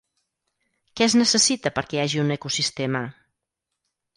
Què es necessita perquè hi hagi un ecosistema?